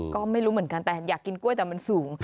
ก็ไม่รู้เหมือนกันแต่อยากกินกล้วยแต่มันสูง